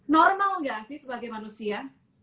normal nggak sih sebagai manusia